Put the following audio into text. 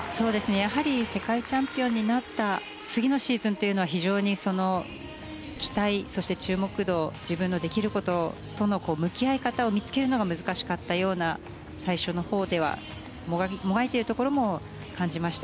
やはり世界チャンピオンになった次のシーズンというのは期待そして注目度自分のできることとの向き合い方を見つけるのが難しかったような最初のほうではもがいているところも感じました。